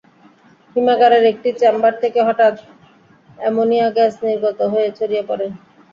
হিমাগারের একটি চেম্বার থেকে হঠাৎ অ্যামোনিয়া গ্যাস নির্গত হয়ে ছড়িয়ে পড়ে।